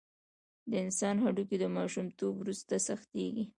د انسان هډوکي د ماشومتوب وروسته سختېږي.